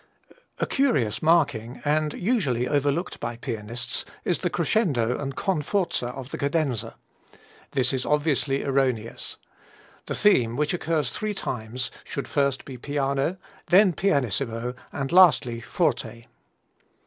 A curious marking, and usually overlooked by pianists, is the crescendo and con forza of the cadenza. This is obviously erroneous. The theme, which occurs three times, should first be piano, then pianissimo, and lastly forte.